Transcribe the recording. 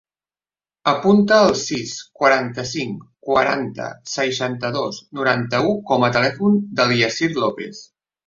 Apunta el sis, quaranta-cinc, quaranta, seixanta-dos, noranta-u com a telèfon del Yassir Lopez.